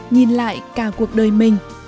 nhìn lại cả cuộc đời mình